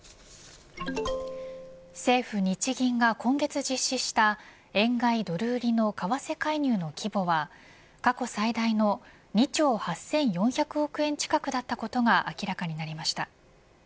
政府日銀が今月実施した円買いドル売りの為替介入の規模は過去最大の２兆８４００億円近くだったことが明らかになりました。